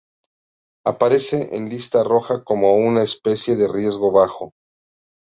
Aparece en la Lista roja como una especie de riesgo bajo.